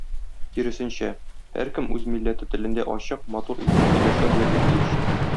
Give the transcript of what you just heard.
Киресенчә, һәркем үз милләте телендә ачык, матур итеп сөйләшә белергә тиеш.